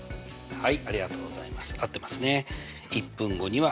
はい。